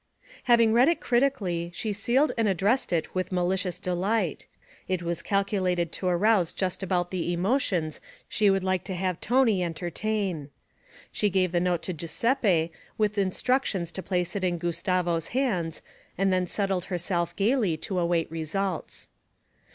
Having read it critically, she sealed and addressed it with malicious delight; it was calculated to arouse just about the emotions she would like to have Tony entertain. She gave the note to Giuseppe with instructions to place it in Gustavo's hands, and then settled herself gaily to await results.